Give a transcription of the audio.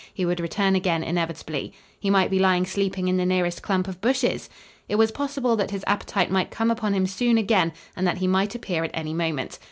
He would return again inevitably. He might be lying sleeping in the nearest clump of bushes! It was possible that his appetite might come upon him soon again and that he might appear at any moment.